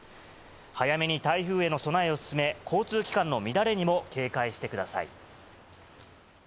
早めに台風への備えを進め、交通機関の乱れにも警戒してくだ